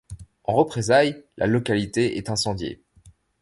En représailles la localité est incendiée.